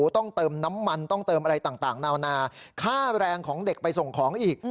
ต้องเติมน้ำมันต้องเติมอะไรต่างนานาค่าแรงของเด็กไปส่งของอีก